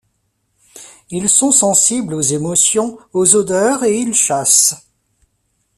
Ils sont sensibles aux émotions, aux odeurs et ils chassent.